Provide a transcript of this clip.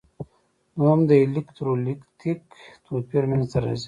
دوهم د الکترولیتیک توپیر منځ ته راځي.